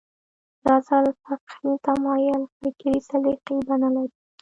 دا ځل فقهي تمایل فکري سلیقې بڼه لري